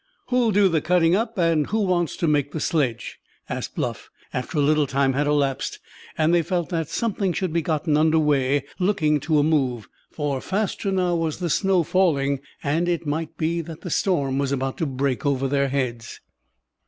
"Who'll do the cutting up; and who wants to make the sledge?" asked Bluff, after a little time had elapsed and they felt that something should be gotten under way looking to a move; for faster now was the snow falling, and it might be that the storm was about to break over their heads.